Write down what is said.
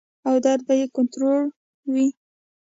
او درد به ئې کنټرول وي -